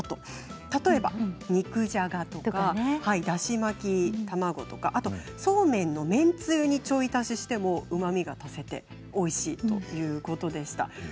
例えば肉じゃがとかだし巻き卵とかそうめんの麺つゆにちょい足ししても、うまみが足せておいしいということでした。